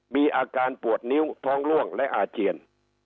มีอาการปวดนิ้วท้องล่วงและอาเจียน